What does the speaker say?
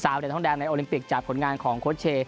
เหรียญทองแดงในโอลิมปิกจากผลงานของโค้ชเช